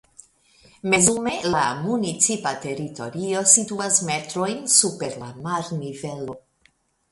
Mezume la municipa teritorio situas metrojn super la marnivelo.